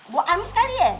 buat amis kali ya